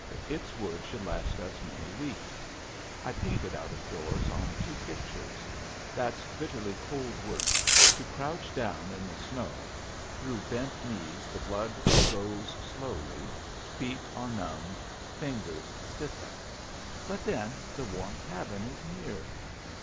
Its wood should last us many weeks. I painted out of doors on two pictures. That's bitterly cold work to crouch down in the snow; through bent knees the blood goes slowly, feet are numbed, fingers stiffen. But then the warm cabin is near....